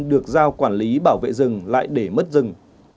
được giao quản lý bảo vệ rừng lại để mất rừng